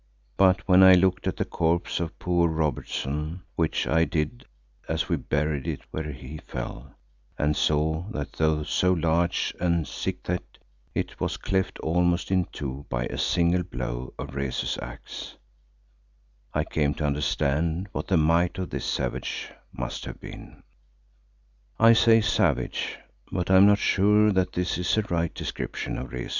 But when I looked at the corpse of poor Robertson, which I did as we buried it where he fell, and saw that though so large and thick set, it was cleft almost in two by a single blow of Rezu's axe, I came to understand what the might of this savage must have been. I say savage, but I am not sure that this is a right description of Rezu.